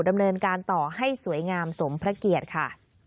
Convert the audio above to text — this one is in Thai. ดำเนินการต่อให้สวยงามสมพระเกียรติค่ะ